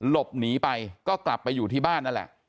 หลบหนีไปก็กลับไปอยู่ที่บ้านนั่นแหละ